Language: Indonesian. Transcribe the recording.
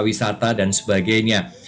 wisata dan sebagainya